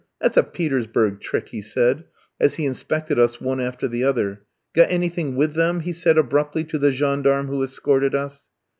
That's a Petersburg trick," he said, as he inspected us one after the other. "Got anything with them?" he said abruptly to the gendarme who escorted us.